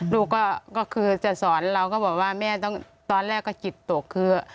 ลูกก็คือจะสอนเราก็บอกว่าแม่ต้องตอนแรกก็จิตตกคือ